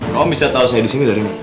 kau bisa tau saya disini dari minggu ini